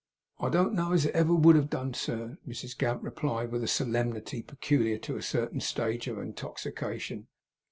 'I don't know as it ever would have done, sir,' Mrs Gamp replied, with a solemnity peculiar to a certain stage of intoxication.